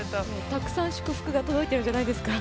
たくさん祝福が届いてるんじゃないですか。